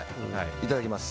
いただきます。